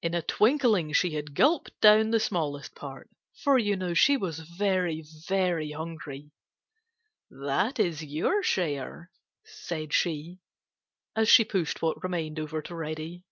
In a twinkling she had gulped down the smallest part, for you know she was very, very hungry. "That is your share," said she, as she pushed what remained over to Reddy.